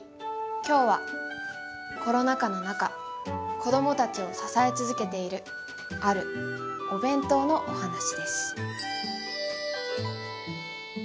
今日はコロナ禍の中子どもたちを支え続けているあるお弁当のお話です。